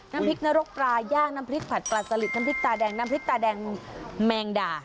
น้ำพริกนรกปลาย่างน้ำพริกผัดปลาสลิดน้ำพริกตาแดงน้ำพริกตาแดงแมงด่า